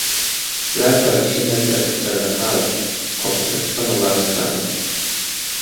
Lato alishinda kiatu cha dhahabu kwa kupachika mabao saba